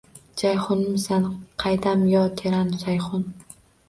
Jayhunmisan, qaydam, yo teran Sayhun?